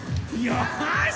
よし！